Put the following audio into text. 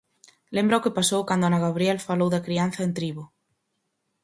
Lembra o que pasou cando Anna Gabriel falou da crianza en tribo.